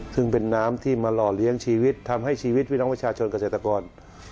ซึ่งเป็นน้ำที่มาหล่อเลี้ยงชีวิตทำให้ชีวิตพี่น้องประชาชนเกษตรกร